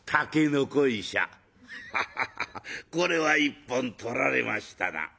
「ハハハハこれは一本取られましたな」。